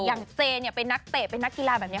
อย่างเจเนี่ยเป็นนักเตะเป็นนักกีฬาแบบนี้